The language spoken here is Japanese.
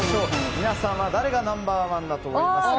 皆さんは誰がナンバー１だと思うのか。